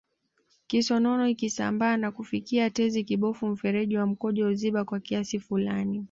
Kisonono ikisambaa na kufikia tezi kibofu mfereji wa mkojo huziba kwa kiasi fulani